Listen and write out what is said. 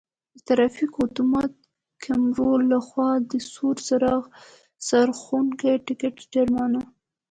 د ترافیکو آتومات کیمرو له خوا د سور څراغ سرغړونې ټکټ جرمانه: